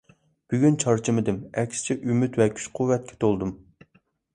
بۈگۈن چارچىمىدىم. ئەكسىچە ئۈمىد ۋە كۈچ-قۇۋۋەتكە تولدۇم.